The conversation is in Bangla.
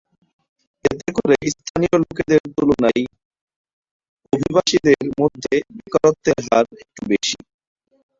এতে করে স্থানীয় লোকদের তুলনায় অভিবাসীদের মধ্যে বেকারত্বের হার একটু বেশি।